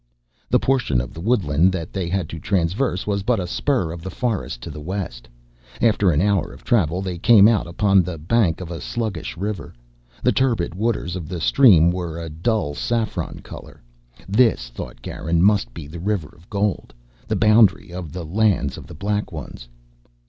The portion of the woodland they had to traverse was but a spur of the forest to the west. After an hour of travel they came out upon the bank of a sluggish river. The turbid waters of the stream were a dull saffron color. This, thought Garin, must be the River of Gold, the boundary of the lands of the Black Ones.